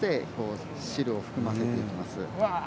汁を含ませていきます。